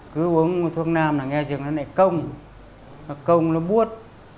cứ uống thuốc nam là nghe rừng nó lại công nó công nó bút